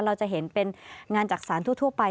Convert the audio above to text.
เราจะเห็นเป็นงานจักษานทั่วไป